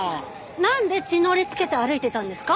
なんで血のりつけて歩いてたんですか？